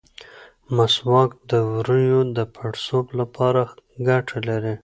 مسواک د ووریو د پړسوب لپاره ګټه لري.